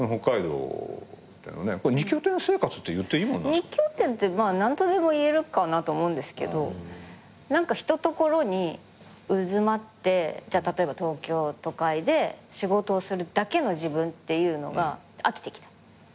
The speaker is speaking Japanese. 二拠点ってまあ何とでも言えるかなと思うんですけど何かひとところにうずまって例えば東京都会で仕事をするだけの自分っていうのが飽きてきた。